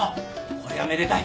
こりゃめでたい。